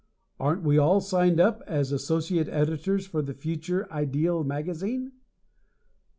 Aren't we all signed up as associate editors for the future "ideal magazine?"